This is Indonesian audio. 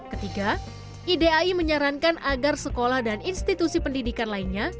ketiga idai menyarankan agar sekolah dan institusi pendidikan lainnya